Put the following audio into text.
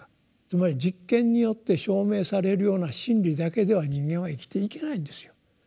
つまり実験によって証明されるような真理だけでは人間は生きていけないんですよ。